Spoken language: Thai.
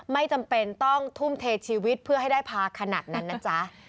ไม่จำเป็นต้องทุ่มเทชีวิตเพื่อให้ได้พาขนาดนั้นนะจ๊ะ